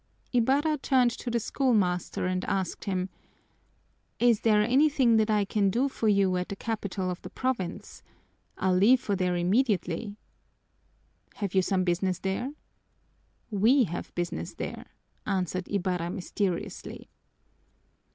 Ibarra turned to the schoolmaster and asked him, "Is there anything that I can do for you at the capital of the province? I leave for there immediately." "Have you some business there?" "We have business there!" answered Ibarra mysteriously.